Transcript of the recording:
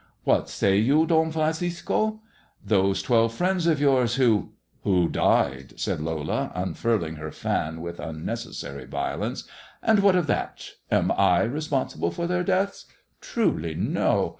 " What say you, Don Francisco ]"" Those twelve friends of yours who "" Who died," said Lola, unfurling her fan with unneces sary violence :" and what of that ? Am I responsible for their deaths] Truly no.